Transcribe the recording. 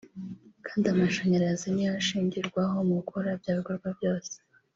Kandi amashanyarazi niyo ashingirwaho mu gukora bya bikorwa byose